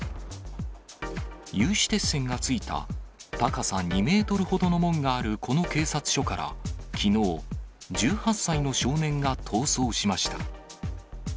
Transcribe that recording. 有刺鉄線がついた高さ２メートルほどの門があるこの警察署から、きのう、１８歳の少年が逃走しました。